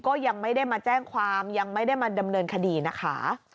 ก็ยังไม่ได้มาแจ้งความยังไม่ได้มาดำเนินคดีนะคะ